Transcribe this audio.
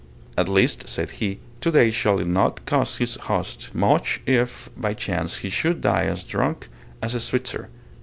At least, said he, today shall it not cost his host much if by chance he should die as drunk as a Switzer.